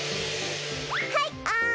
はいあん。